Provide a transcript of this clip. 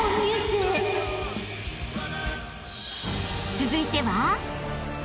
［続いては］